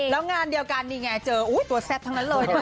แล้วงานเดียวกันอุ๊ยตัวแซ่บทั้งนั้นเลยนะ